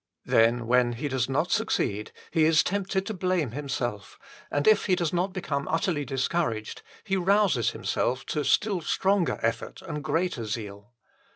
Then, when he does not succeed, he is tempted to blame himself, and if he does not become utterly discouraged, he rouses himself to still stronger effort and greater zeal.